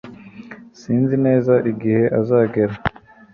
Sinzi neza igihe azagera